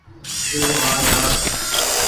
تو آج آس